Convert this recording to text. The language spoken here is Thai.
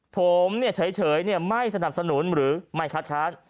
ผมเฉยไม่สนับสนุนหรือไม่คัดค้าน